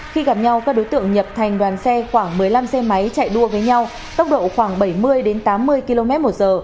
khi gặp nhau các đối tượng nhập thành đoàn xe khoảng một mươi năm xe máy chạy đua với nhau tốc độ khoảng bảy mươi tám mươi km một giờ